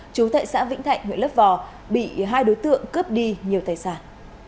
chú thệ xã vĩnh thạnh huyện lấp vò bị hai đối tượng cướp đi nhiều tài sản